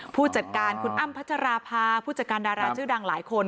ผู้จัดการคุณอ้ำพัชราภาผู้จัดการดาราชื่อดังหลายคน